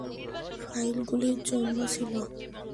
ফাইলগুলির জন্য ছিল।